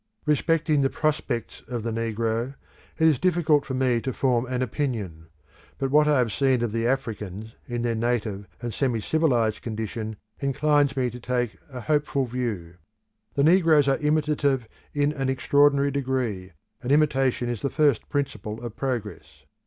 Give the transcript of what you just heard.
Respecting the prospects of the negro, it is difficult for me to form an opinion; but what I have seen of the Africans in their native and semi civilised condition inclines me to take a hopeful view. The negroes are imitative in an extraordinary degree, and imitation is the first principle of progress.